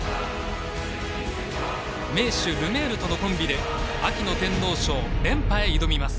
名手ルメールとのコンビで秋の天皇賞連覇へ挑みます。